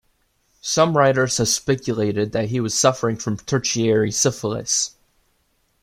Some writers have speculated that he was suffering from tertiary syphilis.